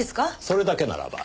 それだけならば。